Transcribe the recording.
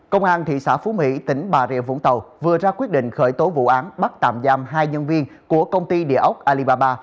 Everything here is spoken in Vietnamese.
công an thị xã phú mỹ tỉnh bà rịa vũng tàu vừa ra quyết định khởi tố vụ án bắt tạm giam hai nhân viên của công ty địa ốc alibaba